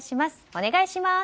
お願いします。